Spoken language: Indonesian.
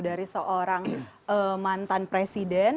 dari seorang mantan presiden